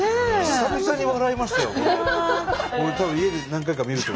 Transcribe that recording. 久々に笑いましたよ。